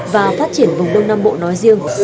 và phát triển vùng đông nam bộ nói riêng